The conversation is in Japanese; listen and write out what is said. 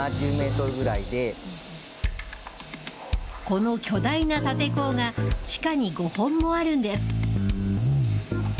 この巨大な立て坑が、地下に５本もあるんです。